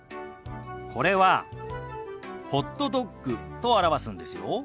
これは「ホットドッグ」と表すんですよ。